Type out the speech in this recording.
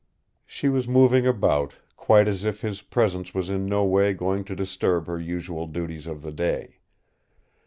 She was moving about, quite as if his presence was in no way going to disturb her usual duties of the day.